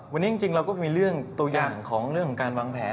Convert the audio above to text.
วันนี้จริงเราก็มีเรื่องตัวอย่างของเรื่องของการวางแผน